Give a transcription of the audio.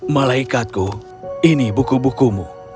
malaikatku ini buku bukumu